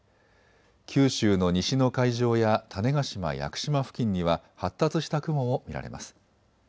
九州の西の海上や種子島・屋久島付近には発達した雲も見られます。